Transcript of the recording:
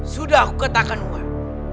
sudah aku katakan wak